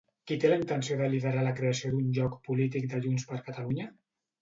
Qui té la intenció de liderar la creació d'un lloc polític de JxCat?